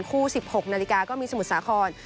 คู่๑๖นาฬิกาก็มีสมุทรสาขน